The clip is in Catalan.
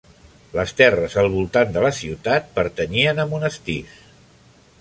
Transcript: Les terres al voltant de la ciutat pertanyien a monestirs.